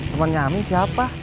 temennya amin siapa